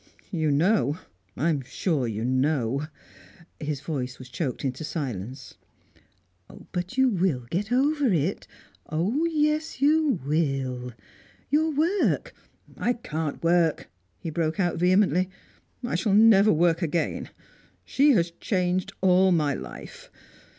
"You know I am sure you know " His voice was choked into silence. "But you will get over it oh, yes, you will! Your work " "I can't work!" he broke out vehemently "I shall never work again. She has changed all my life.